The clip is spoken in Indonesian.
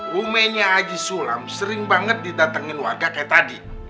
bumenya aji sulam sering banget didatengin warga kayak tadi